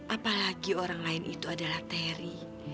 apalagi orang lain itu adalah teri